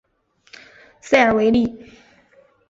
塞尔维利。